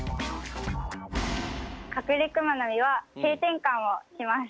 カクレクマノミは性転換をします。